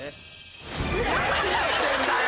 何やってんだよ！